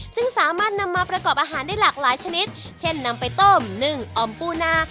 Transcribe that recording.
ซึ่งสามารถนำมาประกอบอาหารได้หลากหลายชนิดเช่นนำไปต้มนึ่งออมปูนา